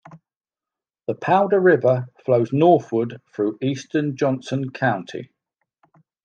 The Powder River flows northward through eastern Johnson County.